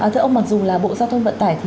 thưa ông mặc dù bộ giao thông vận tải